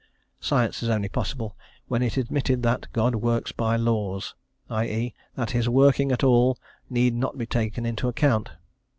Science is only possible when it is admitted that "God works by laws," i.e., that His working at all need not be taken into account.